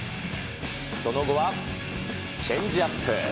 その後は、チェンジアップ。